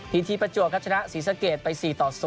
ทีประจวบครับชนะศรีสะเกดไป๔ต่อ๐